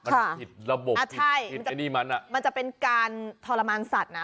มันผิดระบบมันจะเป็นการทรมานสัตว์นะ